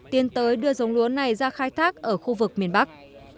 tiến tới đưa giống lúa này ra khai thác ở khu vực miền bắc